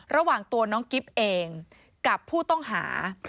ระหว่างตัวน้องกิ๊บเองกับผู้ต้องหา